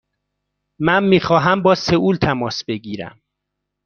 من می خواهم با سئول تماس بگیرم.